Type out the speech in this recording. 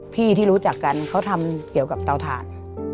ที่รู้จักกันเขาทำเกี่ยวกับเตาถ่าน